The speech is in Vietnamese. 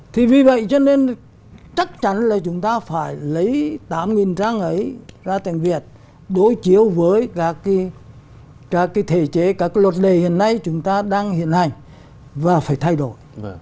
thì vì vậy cho nên chắc chắn là chúng ta phải lấy tám trang ấy ra tiếng việt đối chiếu với các cái thể chế các luật lề hiện nay chúng ta đang hiện hành và phải thay đổi